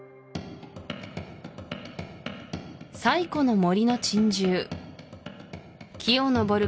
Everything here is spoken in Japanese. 最古の森の珍獣木を登る